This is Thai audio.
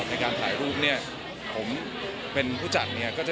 คุณแม่น้องให้โอกาสดาราคนในผมไปเจอคุณแม่น้องให้โอกาสดาราคนในผมไปเจอ